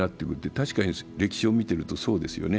確かに歴史を見てるとそうですよね。